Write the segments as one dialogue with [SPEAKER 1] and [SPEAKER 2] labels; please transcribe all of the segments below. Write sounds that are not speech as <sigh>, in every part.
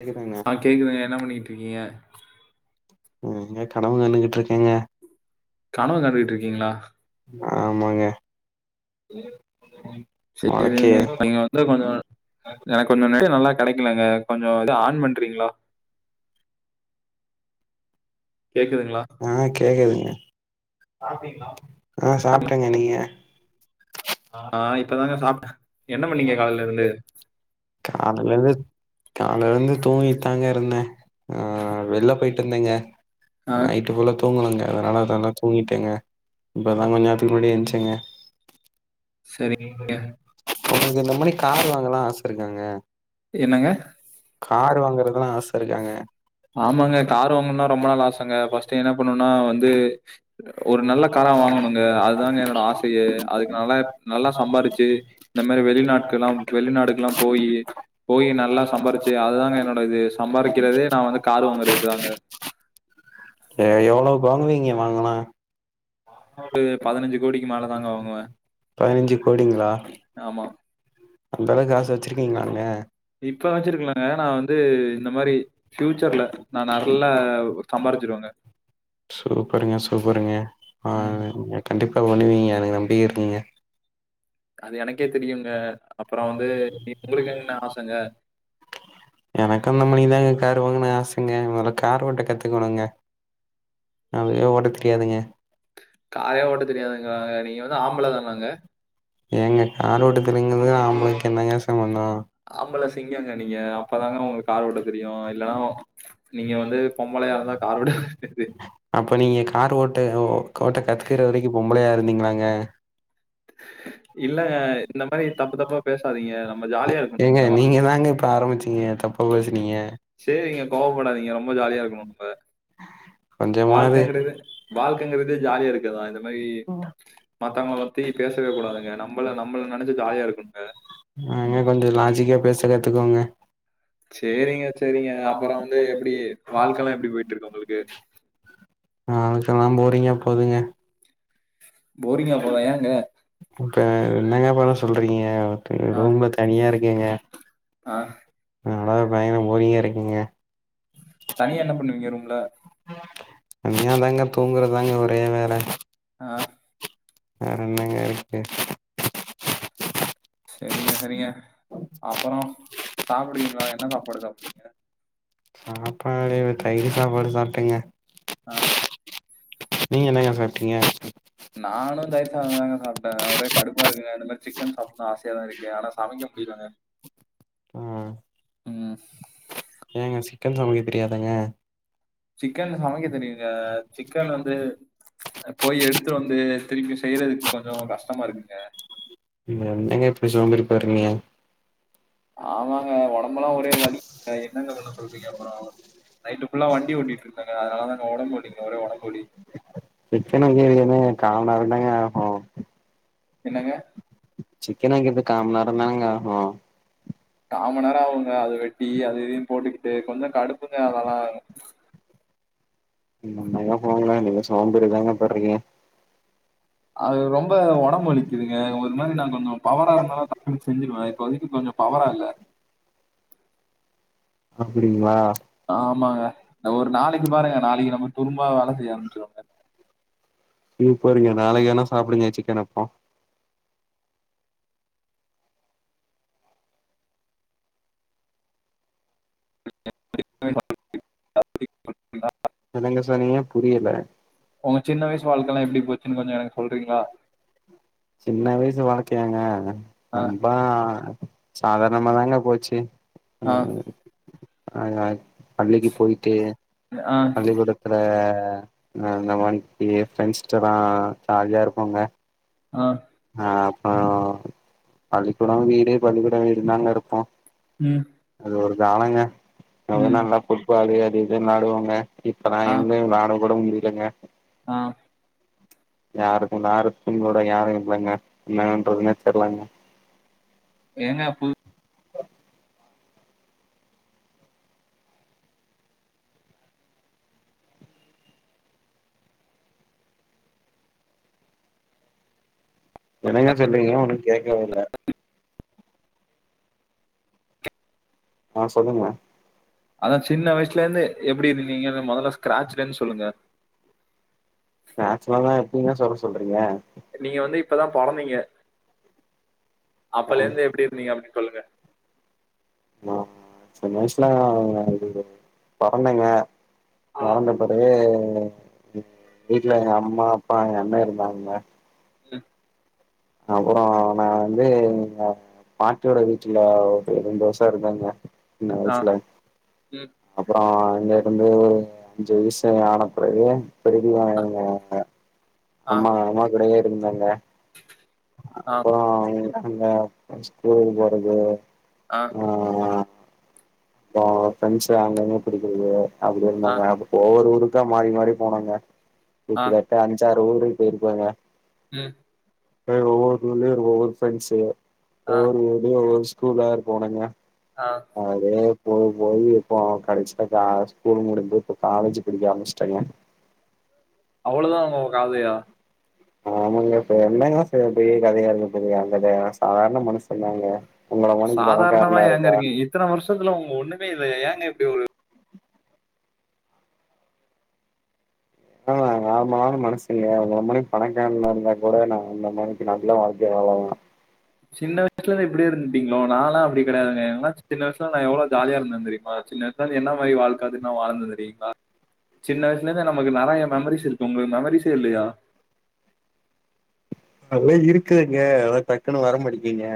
[SPEAKER 1] கேக்குதாங்க
[SPEAKER 2] ஆ கேக்குதுங்க என்னா பண்ணிட்டு இருக்கீங்க
[SPEAKER 1] ஏங்க கனவு காணுகிட்டு ருக்கேங்க
[SPEAKER 2] கனவு காணுகிட்டு ருக்கீங்களா
[SPEAKER 1] ஆமாங்கா
[SPEAKER 2] சேரிங்க ஏங்கா இத கொஞ்சோ எனக்கு கொஞ்சோ நெறைய நல்ல கெடைக்கலங்கா கொஞ்சோ இத ஆன் பண்றிங்களா கேக்குதுங்களா?
[SPEAKER 1] ஆ கேக்குதுங்க ஆ
[SPEAKER 2] சாப்-
[SPEAKER 1] சாப்டேங்க நீங்க
[SPEAKER 2] ஆ இப்பதாங்கா சாப்டே
[SPEAKER 1] காலேல இருந்து காலேல இருந்து தூங்கி ட்டாங்க இருந்தே ஆ வெள்ல போயிட்டு இருந்தேங்கா
[SPEAKER 2] ஆ
[SPEAKER 1] நைட் ட்டு ஃபுல்லா தூங்கலங்க அதனால தாங்க தூங்கிட்டேங்க இப்ப தா கொஞ்ச நேத்துக்கு முன்னாடி எஞ்சேங்க
[SPEAKER 2] சரி.
[SPEAKER 1] உங்களுக்கு இந்த மாரி கார் வாங்களா ஆச இருக்காங்க
[SPEAKER 2] என்னங்க
[SPEAKER 1] காரு வாங்குறத்துல்லா ஆச இருக்காங்க
[SPEAKER 2] ஆமாங்க கார் வாங்கணுனா ரொம்ப நாள் ஆசங்க ஃபஸ்ட்டு என்ன பண்ணணுனா வந்து ஒரு நல்ல கார வாங்கணுங்க அதுதாங்க என்னோட ஆசேயே அதுக்கு நல்லா நல்லா ஸ் சம்பாரிச்சு இந்த மாரி வெளிநாட்கள்ல்லா வெளிநாடுக்கு ல்லா போயி போயி நல்லா சம்பாரிச்சு அதுதாங்க என்னோட இது சம்பாரிக்கிறதே நா வந்து கார் வாங்குறதுக்கு தாங்க.
[SPEAKER 1] எ எவ்ளோக்கு வாங்குவீங்க வாங்கனா
[SPEAKER 2] மேல தாங்க வாங்குவேன்.
[SPEAKER 1] பதினஞ்சு கோடிங்களா
[SPEAKER 2] ஆமா.
[SPEAKER 1] அந்த அளவுக்கு ஆச வச்சருக்கீங்களாங்க
[SPEAKER 2] இப்ப வச்சிருக்கலங்க நா வந்து இந்த மாரி ஃபியூச்சர்ல நா நல்ல ஒர் சம்பாரிச்சிருவேங்க
[SPEAKER 1] சூப்பருங்க சூப்பருங்க ஆ
[SPEAKER 2] ம்.
[SPEAKER 1] ங்க கண்டிப்பா பண்ணுவீங்க எனக்கு நம்பியே இருக்கீங்க
[SPEAKER 2] அது எனக்கே தெரியுங்க. அப்புறம் வந்து உங்களுக்கு என்ன ஆசைங்க?
[SPEAKER 1] எனக்கு அந்த மானிதாங்க கார் வாங்கணு ஆசைங்க மொதல்ல கார் ஓட்ட கத்துக்கணுங்க அதுவே ஓட்ட தெரியாதுங்க
[SPEAKER 2] காரே ஓட்ட தெரியாதுங்க. நீங்க வந்து ஆம்பள தானாங்க?
[SPEAKER 1] ஏங்க கார் ஓட்ட தெரிலங்கிறதுக்காக ஆம்பளைக்கு என்னங்க சம்பந்தோ
[SPEAKER 2] ஆம்பள சிங்கோங்க நீங்க அப்பதாங்க உங்களுக்கு கார் ஓட்ட தெரியு இல்லனா நீங்க வந்து பொம்பளைய இருந்தா கார் ஓட்ட தெரி து
[SPEAKER 1] அப்போ நீங்க கார் ஓட்ட ஓட்ட கத்துக்கற வரைக்கு பொம்பளையா இருந்தீங்களாங்க
[SPEAKER 2] இல்லங்க. இந்த மாரி தப்பு தப்பா பேசாதீங்க. நம்ம ஜாலியா இருக்கணும்.
[SPEAKER 1] ஏங்க நீங்க தாங்க இப்ப ஆரம்பிச்சுங்க தப்பா பேசுனீங்க
[SPEAKER 2] செரிங்க கோவப்படாதீங்க ரொம்ப ஜாலியா இருக்கணு நம்ம
[SPEAKER 1] கொஞ்சமாவது
[SPEAKER 2] வாழ்க்கங்கிறது வாழ்க்கங்கிறது ஜாலியா இருக்குதா இந்த மாரி மத்தவங்க பத்தி பேசவே கூடாதுங்க நம்மள நம்மள நெனச்ச ஜாலியா இருக்கனுங்க
[SPEAKER 1] ஆ என்ன பன்றது லாஜிக்கா பேச கத்துக்கோங்க
[SPEAKER 2] சேரிங்க சேரிங்க அப்புற வந்து எப்டி வாழ்க்கல்லா எப்டி போயிட்டு இருக்கு உங்களுக்கு
[SPEAKER 1] ஆ அதுல்லா போறீங்க போதுங்க
[SPEAKER 2] ஆஹ
[SPEAKER 1] இப்ப என்னங்க பண்ண சொல்றீங்க
[SPEAKER 2] ஆ,
[SPEAKER 1] ரொம்ப தனியா இருக்கேங்க
[SPEAKER 2] ஆ.
[SPEAKER 1] அதா பயங்கர போரிங்கா இருக்குங்க
[SPEAKER 2] தனியா என்ன பண்ணுவீங்க ரூம்ல
[SPEAKER 1] தனியாதாங்க தூங்குறதாங்க ஒரே வேல
[SPEAKER 2] அ
[SPEAKER 1] வேறென்னங்க இருக்கு
[SPEAKER 2] சரிங்க சரிங்க அப்புறோ சாப்புடுவீங்களா என்ன சாப்பாடு சாப்
[SPEAKER 1] சாப்பாடு தயி சாப்பாடு சாப்ட்டேங்க
[SPEAKER 2] அ
[SPEAKER 1] நீங்க என்னங்க சாப்ட்டீங்க
[SPEAKER 2] நானு தயிர் சாததாங்க சாப்ட்டே ஒரே கடுப்பா இருக்கு இந்த மாரி சிக்கன் சாப்ட்னு ஆசையா தா இருக்கு ஆனா சமைக்க முடியலங்க
[SPEAKER 1] ஆ
[SPEAKER 2] ம்
[SPEAKER 1] ஏங்க சிக்கன் சமைக்க தெரியாதங்க
[SPEAKER 2] சிக்கன் சமைக்க தெரியுங்க சிக்கன் வந்து போய் எடுத்து வந்து திரும்பி செய்யறதுக்கு கொஞ்சோ கஷ்டமா இருக்குங்க
[SPEAKER 1] என்னங்க இப்டி சோம்பேறி பட்றிங்க
[SPEAKER 2] ஆமாங்க ஒடம்புலா ஒரே வலி என்னங்க பண்ண சொல்றீங்க அப்பறோ நைட்டு ஃபுல்லா வண்டி ஓட்டிட் இருந்தங்க அதனால தாங்க ஒடம்பு வலிக்குங்க ஒரே ஒடம்பு வலி
[SPEAKER 1] சிக்கனு வந்து எடுத்தோனா கா நேர தாங்க ஆகு
[SPEAKER 2] என்னங்க
[SPEAKER 1] சிக்கன் வாங்குறது காமநேர தாங்க ஆகு
[SPEAKER 2] காமநேரோ ஆகுங்க அது வெட்டி அத இதயு போட்டுக்கிட்டு கொஞ்ச கடுப்புங்க அதெல்லா
[SPEAKER 1] நம்மையா போங்க நீங்க சோம்பறிதாங்க படுறீங்க
[SPEAKER 2] அது ரொம்ப ஒடம்பு வலிக்குதுங்க அது மாரி நா கொஞ்சோ பவரா இருதாலா <inaudible> செஞ்சுடுவே இப்போதைக்கு கொஞ்சோ பவரா இல்ல
[SPEAKER 1] அப்டிங்களா
[SPEAKER 2] ஆமாங்க ஒரு நாளைக்கு பாருங்க நாளைக்கு நம்ம துரும்பா வேல செய்ய ஆரம்பிச்சுருவங்க
[SPEAKER 1] <unintelligible> போறீங்க நாளைக்கு வேனா சாப்டுங்க சிக்கன அப்போ
[SPEAKER 2] <inaudible>
[SPEAKER 1] <unintelligible> சொல்லுங்க புரியல
[SPEAKER 2] உங்க சின்ன வயசு வாழ்க்கலா எப்டி போச்சினு கொஞ்ச எனக்கு சொல்றீங்களா
[SPEAKER 1] சின்ன வயசு வாழ்க்கையாங்க
[SPEAKER 2] ஆ
[SPEAKER 1] அம்பா சாதாரணமா தாங்க போச்சு
[SPEAKER 2] ஆ
[SPEAKER 1] ஆ <inaudible> பள்ளிக்கு போய்ட்டு
[SPEAKER 2] ஆ
[SPEAKER 1] பள்ளிக்கூட த்துல இந்த இந்த வந் இங்க ஃப்ரெண்ட்ஸ்ட்ட தா ஜாலியா இருப்போங்க
[SPEAKER 2] ஆ
[SPEAKER 1] ஆ அப்பறோ பள்ளிக்கூடோ வீடு பள்ளிக்கூடோ வீடு தாங்க இருப்போ
[SPEAKER 2] ம்
[SPEAKER 1] அது ஒரு காலங்க எல்லா
[SPEAKER 2] ம்
[SPEAKER 1] நல்லா ஃபுட்பாலு அது இதுன் விளாடுவோங்க இப்பல்லா
[SPEAKER 2] ஆ
[SPEAKER 1] இருந்து விளாட கூட முடிலங்க
[SPEAKER 2] ஆ
[SPEAKER 1] யாருக்கு விளாட்றத்க்கு கூட யாரு இல்லங்க என்ன பண்றதுனே தெர்லங்க
[SPEAKER 2] தேங்காப்பூ
[SPEAKER 1] என்னங்க சொல்றீங்க ஒன்னு கேக்கவே இல்ல ஆ சொல்லுங்க
[SPEAKER 2] அதா சின்ன வய்சுலர்ந்து எப்டி இருந்தீங்கன்னு மொதல்ல ஸ்க்ராச்லிர்ந் சொல்லுங்க
[SPEAKER 1] ஸ்கார்ச்லல்லா எப்டிங்க சொல்ல சொல்றீங்க
[SPEAKER 2] நீங்க வந்து இப்பதா பொறந்தீங்க
[SPEAKER 1] ஆ
[SPEAKER 2] அப்பலர்ந்து எப்டி இருந்தீங்க அப்டி சொல்லுங்க
[SPEAKER 1] நா சின்ன வய்சுல எங்க வீடு பொறந்தங்க
[SPEAKER 2] ஆ,
[SPEAKER 1] பொறந்த பெறவு வீட்ல எங்க அம்மா, அப்பா, எங்க அண்ண இருந்தாங்க
[SPEAKER 2] ம்
[SPEAKER 1] அப்பறோ நா வந்து எங்க பாட்டியோட வீட்ல ஒரு ரெண்டு வர்ஷோ இருந்தங்க சின்ன
[SPEAKER 2] ஆ,
[SPEAKER 1] வய்ஸ்ல
[SPEAKER 2] ம்,
[SPEAKER 1] அப்பறோ இங்க இருந்து ஒரு அஞ்சு வய்சு ஆன பிறவு திருப்பியு
[SPEAKER 2] அ, ஆ,
[SPEAKER 1] அம்மா அம்மா கூடயே இருந்தங்க
[SPEAKER 2] ஆ,
[SPEAKER 1] அப்பறோ அந்த <inaudible> ஸ்கூல் போறது
[SPEAKER 2] ஆ
[SPEAKER 1] அப்றோ ஃப்ரெண்ஸ்லா அங்கங்க பிடிக்கறது அப்பிடி
[SPEAKER 2] ஆ,
[SPEAKER 1] இருந்தங்க ஒவ்வொரு ஊருக்கா மாறி மாறி போனோங்க
[SPEAKER 2] ஆ,
[SPEAKER 1] கிட்டதட்ட அஞ்சாறு ஊருக்கு போய்ருக்கோங்க
[SPEAKER 2] ம்
[SPEAKER 1] அப்டே ஒவ்வொரு ஊர்லியு ஒவ்வொரு ஃப்ரெண்ஸ்ஸு
[SPEAKER 2] ஆ,
[SPEAKER 1] ஒவ்வொரு ஊர் லியு ஒவ்வொரு ஸ்கூலா போனங்க
[SPEAKER 2] ஆ
[SPEAKER 1] அப்படி ஸ்கூல் போயி அப்றோ கடசில கா ஸ்கூல் முடிஞ்சு இப்ப காலேஜு படிக்க ஆரம்பிஸ்ட்டங்க
[SPEAKER 2] அவ்ளோதா உங்க கதையா
[SPEAKER 1] ஆமாங்க இப்ப என்னங்க பெரிய பெரிய கதையா இருக்கபோது என்னது சாதாரண மனுஷந்தாங்க உங்கள மாரி
[SPEAKER 2] சாதாரணமா
[SPEAKER 1] பணக்காரனா
[SPEAKER 2] ஏங்க
[SPEAKER 1] இருந்தா
[SPEAKER 2] இருக்கீங்க? இத்தன வர்ஷத்துல உங்க ஒன்னுமே இல்லயே ஏங்க இப்டி ஒரு
[SPEAKER 1] உண்மதாங்க நார்மலான மனுஷங்க உங்கள மாரி பணக்காரனா இருந்தா கூட நா அந்த மாரி ஒரு நல்ல வாழ்கையா வாழ்லாங்க
[SPEAKER 2] சின்ன வய்சுலர்ந்தே இப்டியே இருந்துட்டீங்ளோ நாலா அப்டி கெடையாதுங்க நாங்ல்லா சின்ன வய்சுல நாங் எவ்ளோ ஜாலியா இர்ந்தோ தெரியுமா சின்ன வய்சுல என்ன மாரி வாழ்க்க அது இன்னு வாழ்ந்தோ தெரியுங்களா சின்ன வய்சுலர்ந்து நமக்கு நெறைய மெமரிஸ் இருக்கு உங்களுக்கு மெமரிஸே இல்லயா
[SPEAKER 1] அதுலா இருக்குதுங்க ஆனா டக்குன்னு வர மாட்டிக்கீங்க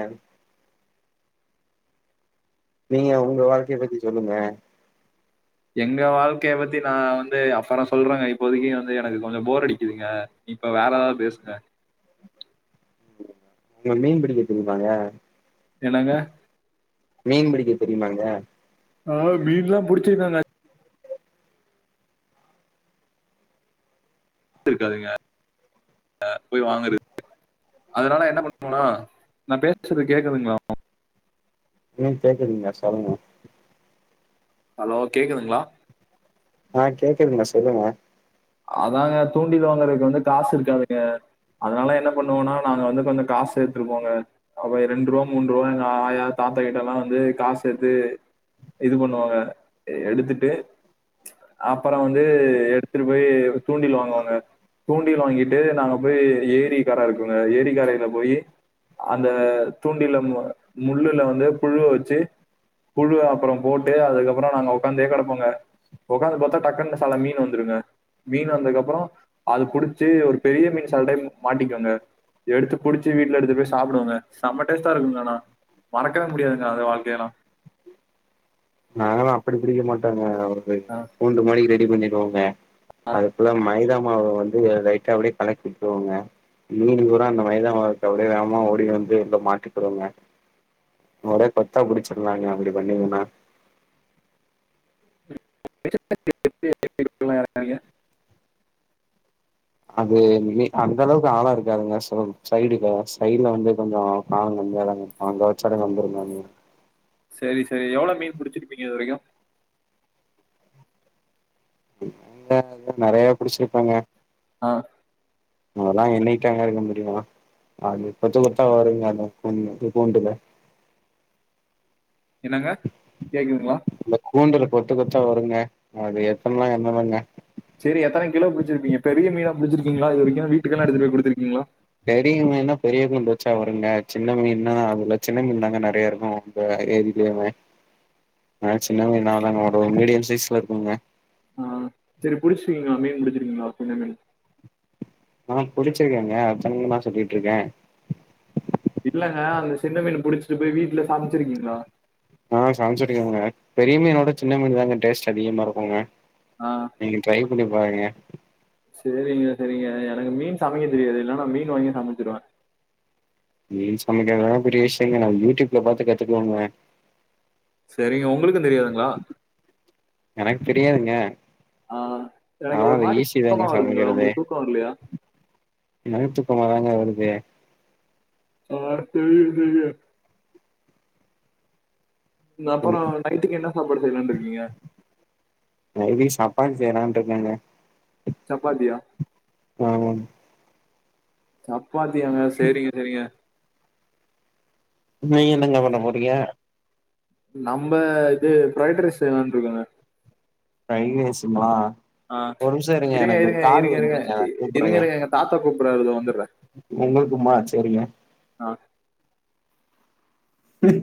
[SPEAKER 1] நீங்க உங்க வாழ்க்கைய பத்தி சொல்லுங்க
[SPEAKER 2] எங்க வாழ்க்கைய பத்தி நா வந்து அப்பறோ சொல்றங்க இப்போதிக்கு வந்து எனக்கு கொஞ்சோ போர் அடிக்கிதுங்க இப்ப வேற எதாது பேசுங்க
[SPEAKER 1] உங்களுக்கு மீன் பிடிக்க தெரியுமாங்க
[SPEAKER 2] என்னங்க
[SPEAKER 1] மீன் பிடிக்க தெரியுமாங்க
[SPEAKER 2] ஆ மீன்லா புடுச்சுனனை இருக்காதுங்க அ போய் வாங்கறது அதுனால என்ன பண்ணனுனா நா பேசுறது கேக்குதுங்களா
[SPEAKER 1] ம் கேக்குறீங்க சொல்ங்க
[SPEAKER 2] ஹலோ கேக்குதுங்களா
[SPEAKER 1] ஆ கேக்குதுங்க சொல்லுங்க
[SPEAKER 2] அதாங்க தூண்டில் வாங்கறதுக்கு வந்து காசு இருக்காதுங்க அதுனால என்ன பண்ணுவோனா நாங்க வந்து கொஞ்சோ காசு சேத்துருப்போங்க அப்ப ரெண்டு ருவா மூன்று ருவா எங்க ஆயா தாத்தா கிட்டேல்லா வந்து காசு சேத்து இது பண்ணுவாங்க எடுத்துட்டு அப்பறோ வந்து எடுத்துட்டு போய் தூண்டில் வாங்குவாங்க தூண்டல் வாங்கிட்டு நாங்க போய் ஏரி கர இருக்குங்க ஏரி கரேல போயி அந்த தூண்டில மு முள்ளுல வந்து புழுவ வச்சு புழு அப்பறோ போட்டு அதுக்கப்பறோ நாங்க உக்காந்தே கெடப்போங்க உக்காந்து பாத்தா டக்குன்னு சல மீன் வந்துருங்க மீன் வந்ததுக் அப்பறோ அது புடுச்சு ஒரு பெரிய மீன் சலடைய மாட்டிக்கோங்க எடுத்து புடுச்சு வீட்ல எடுத்து போய் சாப்டுவோங்க செம்ம டேஸ்டா இருக்குங்க ஆனா மறக்கவே முடியாதுங்க அது வாழ்க்கையல்லா
[SPEAKER 1] நாங்கல்லா அப்டி புடிக்க மாட்டோங்க
[SPEAKER 2] ஆ.
[SPEAKER 1] <unintelligible> கூண்டு மாரி ரெடி பண்ணிர்வோங்க அதுக்குள்ள மைதா மாவு வந்து லைட்டா அப்டியே கலக்கி விட்றுவோங்க மீனு பூரா அந்த மைதா மாவுக்கு அப்டியே வேமா ஓடி வந்து உள்ள மாட்டிகுறுங்க அப்டியே கொத்தா புடுச்சர்லாங்க அப்டி பண்ணீங்கன்னா
[SPEAKER 2] <inaudible> திருப்பலா எறக்காய்ங்க
[SPEAKER 1] அது மீ அந்த அளவுக்கு ஆழோ இருக்காதுங்க சொல் சைடுக்கு சைடுல வந்து கொஞ்சோ ஆழோ கம்மியாதாங்க அங்க வச்சாலே வந்துருங்க மீன்
[SPEAKER 2] சேரி சேரி எவ்வளோ மீன் புடுச்சுருப்பீங்க இது வரைக்கு
[SPEAKER 1] <inaudible> வந்து நெறையா புடுச்சுருப்பேங்க
[SPEAKER 2] ஆ
[SPEAKER 1] அதலா என்னிகிட்டாங்க இருக்க முடியு அது இப்ப சொல்லத்தா வருங்க அந்த குன்னு கூண்டுல
[SPEAKER 2] என்னங்க கேக்குதுங்களா
[SPEAKER 1] அந்த கூண்டுல கொத்து கொத்தா வருங்க அது எத்தனலா என்னலங்க
[SPEAKER 2] சேரி எத்தன கிலோ புடுச்சுருப்பீங்க பெரிய மீனா புடுச்சுருக்கீங்களா இதுவரைக்கு வீட்டுக்கல்லா எடுத்துட்டு போய் குடுத்துறுக்கீங்களா
[SPEAKER 1] பெரிய மீன்னா பெரிய கூண்டு வச்சா வருங்க சின்ன மீன்னா அதுல சின்ன மீன் தாங்க நெறையா இருக்கு த ஏரிலயேங்க நா சின்ன மீனாதாங்க வரு மீடியம் சைஸ்ல இருக்குங்க
[SPEAKER 2] செரி புடுச்சுருக்கீங்களா மீன் புடுச்சுருக்கீங்களா சின்ன மீன்
[SPEAKER 1] ஆ புடுச்சுருக்கேங்க அத்தன மீனா சொல்லிட்ருக்கே
[SPEAKER 2] இல்லங்க அந்த சின்ன மீன் புடுச்சுட்டு போய் வீட்ல சமச்சிருக்கீங்களா
[SPEAKER 1] ஆ சமச்சிருக்கேங்க பெரிய மீனோட சின்ன மீன் தாங்க டேஸ்ட் அதிகமா இருக்குங்க
[SPEAKER 2] ஆ
[SPEAKER 1] நீங்க ட்ரை பண்ணி பாருங்க
[SPEAKER 2] சேரிங்க சேரிங்க எனக்கு மீன் சமைக்க தெரியாது இல்லன்னா மீன் வாங்கி சமச்சிருவே
[SPEAKER 1] மீன் சமைக்கிறது எல்லா பெரிய விஷயம் இல்லைங்க நா யூ டியூப்ல பாத்து கத்துக்குவேங்க
[SPEAKER 2] சேரிங்க உங்களுக்கு தெரியாதுங்களா
[SPEAKER 1] எனக்கு தெரியாதுங்க
[SPEAKER 2] ஆ எனக்கு
[SPEAKER 1] ஆனா
[SPEAKER 2] ஒரு
[SPEAKER 1] அது
[SPEAKER 2] மாரி
[SPEAKER 1] ஈஸி தாங்க
[SPEAKER 2] தூக்கமா வருதுங்க
[SPEAKER 1] சமைக்கிறது
[SPEAKER 2] உங்களுக்கு தூக்கோ வரலையா
[SPEAKER 1] எனக்கு தூக்கமா தாங்க வருது
[SPEAKER 2] ஆ தெரியு தெரியு த அப்றோ நைட்டுக்கு என சாப்பாடு செய்யலானு இருக்கீங்க
[SPEAKER 1] நைடுகு சப்பாத்தி செய்யலாம்னு இருக்கங்க
[SPEAKER 2] சப்பாத்தியா
[SPEAKER 1] ஆ
[SPEAKER 2] சப்பாத்தியாங்க சேரிங்க சேரிங்க
[SPEAKER 1] நீங்க என்னங்க பண்ண போறீங்க
[SPEAKER 2] நம்ம இது பிரைடுரைஸ் செய்யலாம்னு இருக்கங்க
[SPEAKER 1] பிரைடுரைஸ்ங்களா
[SPEAKER 2] ஆ இருங்க இருங்க இருங்க இருங்க இருங்க இருங்க எங்க தாத்தா கூப்பறாரு இதோ வந்தற
[SPEAKER 1] உங்களுக்குமா சேரிங்க
[SPEAKER 2] ஆ
[SPEAKER 1] ம்